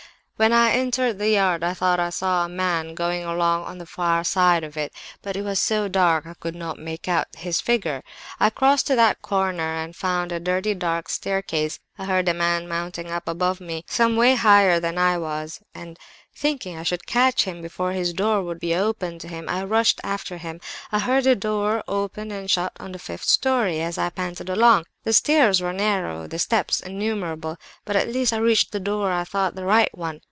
"When I entered the yard I thought I saw a man going along on the far side of it; but it was so dark I could not make out his figure. "I crossed to that corner and found a dirty dark staircase. I heard a man mounting up above me, some way higher than I was, and thinking I should catch him before his door would be opened to him, I rushed after him. I heard a door open and shut on the fifth storey, as I panted along; the stairs were narrow, and the steps innumerable, but at last I reached the door I thought the right one.